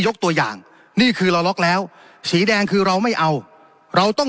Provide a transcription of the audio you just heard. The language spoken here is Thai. ยกตัวอย่างนี่คือเราล็อกแล้วสีแดงคือเราไม่เอาเราต้อง